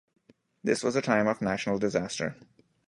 This was a time of national disaster.